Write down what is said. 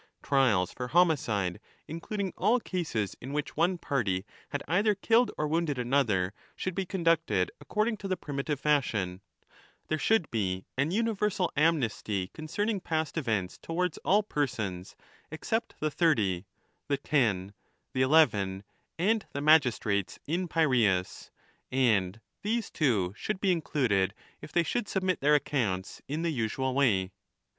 Trials for homicide, including all cases in which one party had either killed or wounded another, should be 6 conducted according to ancestral practice. 1 There should be a general amnesty concerning past events to\vards all persons except the Thirty, the Ten, the Eleven, and the magistrates in Piraeus; and these too should be included if they should submit their accounts in the usual way.